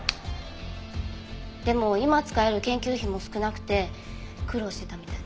でも今使える研究費も少なくて苦労してたみたい。